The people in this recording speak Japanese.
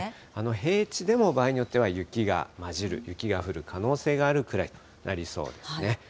平地でも場合によっては雪が交じる、雪が降る可能性があるくらいになりそうですね。